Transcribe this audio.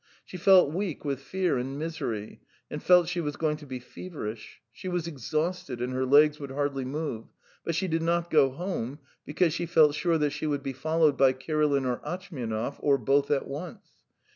She felt weak with fear and misery, and felt she was going to be feverish; she was exhausted and her legs would hardly move, but she did not go home, because she felt sure that she would be followed by Kirilin or Atchmianov or both at once.